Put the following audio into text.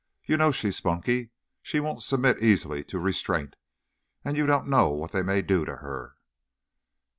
You know, she's spunky, she won't submit easily to restraint, and you don't know what they may do to her!"